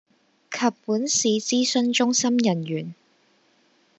及本市諮詢中心人員